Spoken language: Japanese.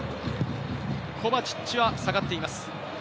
コバチッチは下がっています。